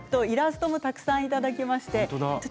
イラストもたくさんいただきました。